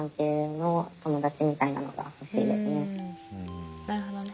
んなるほどね。